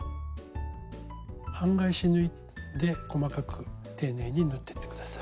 半返し縫いで細かく丁寧に縫ってって下さい。